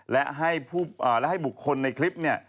และให้บุคคลในคลิปเนี่ย